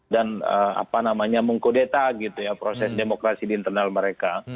dan apa namanya mengkodeta gitu ya proses demokrasi di internal mereka